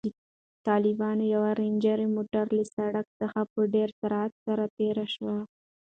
د طالبانو یو رنجر موټر له سړک څخه په ډېر سرعت سره تېر شو.